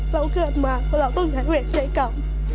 เกิดมาเพราะเราต้องใช้เวทใช้กรรม